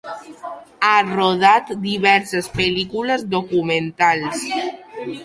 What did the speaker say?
Ha rodat diverses pel·lícules documentals.